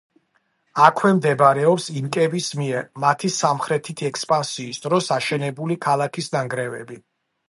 აქვე მდებარეობს ინკების მიერ, მათი სამხრეთით ექსპანსიის დროს აშენებული ქალაქის ნანგრევები.